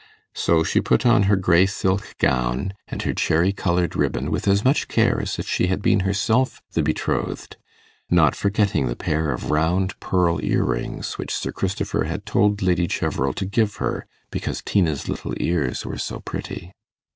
So she put on her grey silk gown and her cherry coloured ribbon with as much care as if she had been herself the betrothed; not forgetting the pair of round pearl earrings which Sir Christopher had told Lady Cheverel to give her, because Tina's little ears were so pretty.